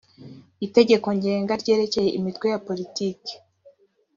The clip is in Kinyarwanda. itegeko ngenga ryerekeye imitwe ya politiki